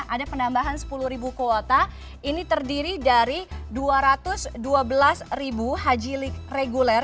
ada penambahan sepuluh kuota ini terdiri dari dua ratus dua belas haji reguler